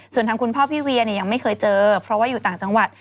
ส่วนทางคุณพ่อพี่เวียเนี่ยยังไม่เคยเจอเพราะว่าอยู่ต่างจังหวัด